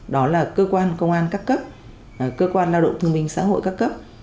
đó là cơ quan công an cấp cấp cơ quan lao động thương minh xã hội cấp cấp